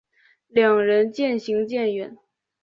两人渐行渐远